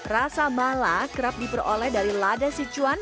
rasa mala kerap diperoleh dari lada sichuan